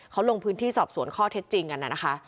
เขาลงพื้นที่สอบสวนข้อเท็จจริงกันนะคะ